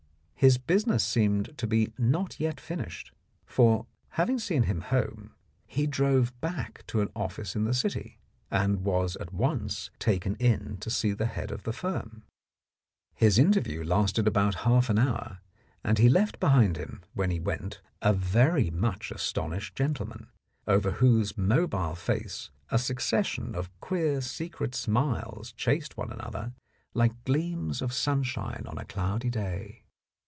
His business seemed to be not yet finished, for having seen him home he drove back to an office in the City, and was at once taken in to see the head of the firm. His interview lasted about half an hour, and he left behind him when he went a very much astonished gentleman, over whose mobile face a succession of queer secret smiles chased one another like gleams of sunshine on a cloudy day.